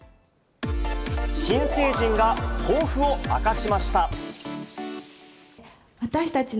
新成人が抱負を明かしました。